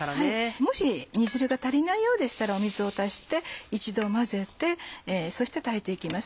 もし煮汁が足りないようでしたら水を足して一度混ぜてそして炊いていきます。